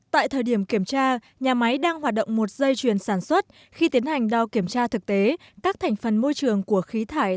tại thời điểm kiểm tra nhà máy đang hoạt động một dây chuyền sản xuất khi tiến hành đo kiểm tra thực tế các thành phần môi trường của khí thải